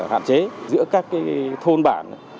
hạn chế giữa các thôn bản